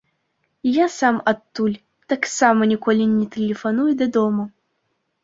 І я сам адтуль таксама ніколі не тэлефаную дадому.